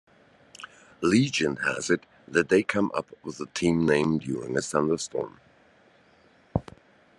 Legend has it that they came up with the team name during a thunderstorm.